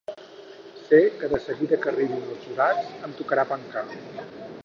Sé que de seguida que arribin els jurats em tocarà pencar.